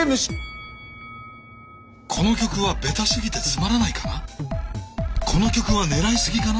「この曲はベタすぎてつまらないかな」